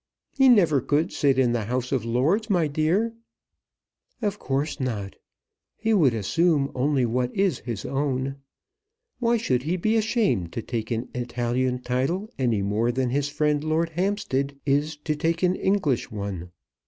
"He never could sit in the House of Lords, my dear." "Of course not. He would assume only what is his own. Why should he be ashamed to take an Italian title any more than his friend Lord Hampstead is to take an English one?